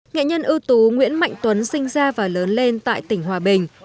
nghệ nhân ưu tú nguyễn mạnh tuấn sinh ra và lớn lên tại tỉnh hòa bình